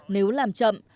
nếu làm chậm